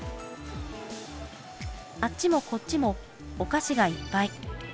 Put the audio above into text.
あっちもこっちも、お菓子がいっぱい。